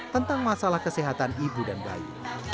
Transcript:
tentang masalah kesehatan ibu dan bayi